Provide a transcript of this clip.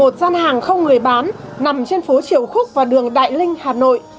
trong người bán nằm trên phố triều khúc và đường đại linh hà nội